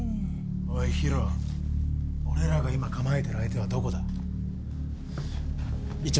おいヒロ俺らが今構えてる相手はどこだ？市松っす。